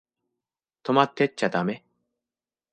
泊まってっちゃだめ？